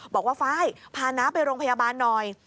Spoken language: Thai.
บอกว่าฟ้ายพาน้ำไปโรงพยาบาลหน่อย